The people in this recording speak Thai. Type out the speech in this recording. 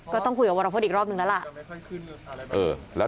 ก็ต้องคุยกับวรพฤษอีกรอบนึงแล้วล่ะ